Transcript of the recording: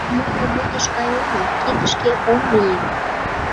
Мый моло модыш гай омыл: кидышке ом мие.